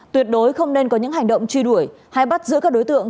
tuyệt đối không nên có những hành động truy đuổi hay bắt giữ các đối tượng